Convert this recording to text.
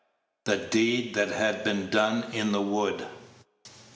THE DEED THAT HAD BEEN DONE IN THE WOOD.